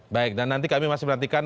baik dan nanti kami masih menantikan